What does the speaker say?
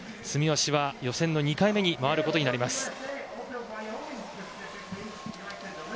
住吉は予選の２回目に回ることになります。